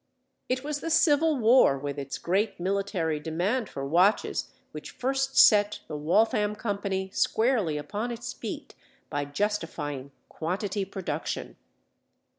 It was the Civil War, with its great military demand for watches, which first set the Waltham Company squarely upon its feet by justifying quantity production.